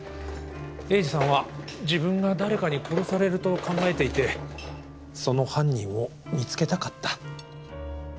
栄治さんは自分が誰かに殺されると考えていてその犯人を見つけたかった。